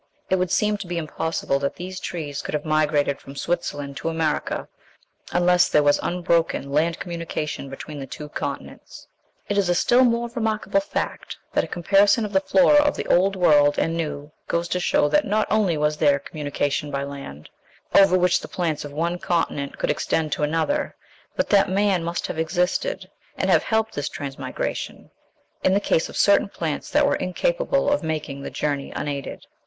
It would seem to be impossible that these trees could have migrated from Switzerland to America unless there was unbroken land communication between the two continents. It is a still more remarkable fact that a comparison of the flora of the Old World and New goes to show that not only was there communication by land, over which the plants of one continent could extend to another, but that man must have existed, and have helped this transmigration, in the case of certain plants that were incapable of making the journey unaided.